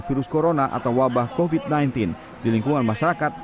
virus corona atau wabah covid sembilan belas di lingkungan masyarakat